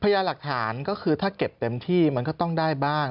ยาหลักฐานก็คือถ้าเก็บเต็มที่มันก็ต้องได้บ้าง